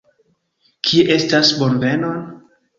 Kie estas bonvenon?